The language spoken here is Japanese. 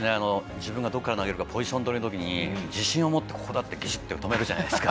自分がどこから投げるかポジション取りのとき自信を持って、ここだってびしって止めるじゃないですか。